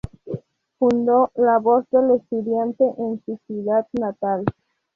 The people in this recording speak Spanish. Fundó "La Voz del Estudiante" en su ciudad natal".